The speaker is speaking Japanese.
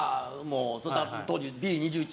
当時、Ｂ２１